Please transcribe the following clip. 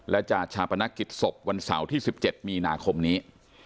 และจะชาปนกิจศพวันเสาร์ที่๑๗มีนาคมนี้